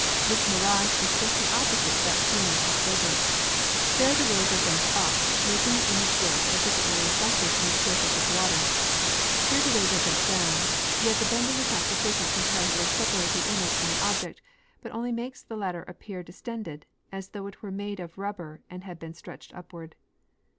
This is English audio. This mirage is just the opposite to that seen in hot deserts. There the rays are bent up, making the image look as if it were reflected fr'om the surface of water ; here the rays are bent down ; yet the bending is not sufficient to entirely separate the image from the oliject, but only makes the latter appear distended, as though it were made of rul:)ber and had been stretched upward.